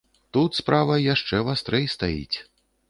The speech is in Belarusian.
Тут справа яшчэ вастрэй стаіць.